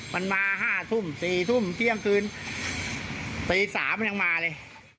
มันมาห่าทุ่มสี่ทุ่มที่กลางคืนตีสามมันยังมาเลย